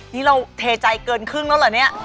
นี่เราเทใจเกินครึ่งแล้วเหรอเนี่ย